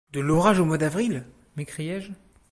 De l’orage au mois d’avril ! m’écriai-je.